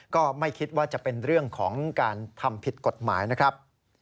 ก็ไม่คิดว่าจะเป็นเรื่องของการทำผิดกฎหมายนะครับ